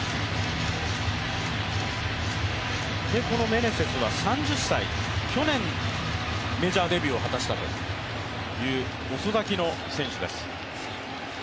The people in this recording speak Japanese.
メネセスは３０歳、去年、メジャーデビューを果たしたという遅咲きの選手です。